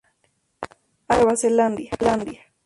Habita en Nueva Zelandia.